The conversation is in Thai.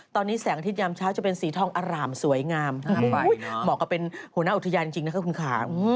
ตอนนี้แสงอาทิตยามเช้าจะเป็นสีทองอร่ามสวยงามหน้าไฟเหมาะกับเป็นหัวหน้าอุทยานจริงนะครับคุณขาง